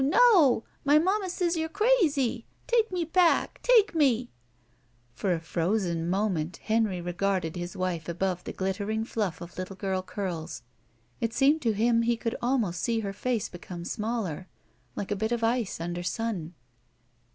No! My mamma says you're crazy. Take me back — ^take me." For a frozen moment Henry regarded his wife above the glittering fluff of little girl curls. It seemed to him he could almost see her face become smaller, Uke a bit of ice under sun.